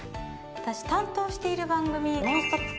私担当している番組『ノンストップ』